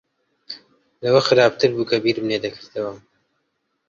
لەوە خراپتر بوو کە بیرم لێ دەکردەوە.